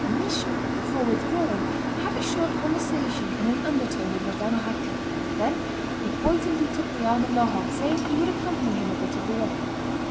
Michaud, before withdrawing, had a short conversation in an undertone with Madame Raquin. Then, he pointedly took the arm of Laurent saying he would accompany him a bit of the way.